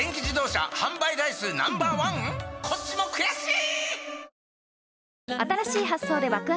こっちも悔しい！